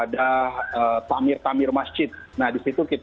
dan tamir tamir masjid